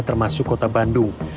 termasuk kota bandung